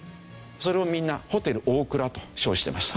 それをみんな「ホテルオオクラ」と称してました。